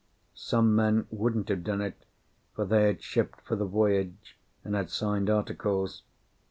Some men wouldn't have done it, for they had shipped for the voyage, and had signed articles.